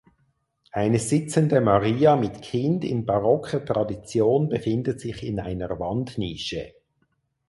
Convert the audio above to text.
Eine Sitzende Maria mit Kind in barocker Tradition befindet sich in einer Wandnische.